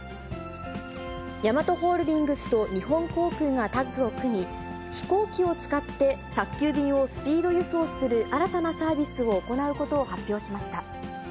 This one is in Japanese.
ヤマトホールディングスと日本航空がタッグを組み、飛行機を使って宅急便をスピード輸送する新たなサービスを行うことを発表しました。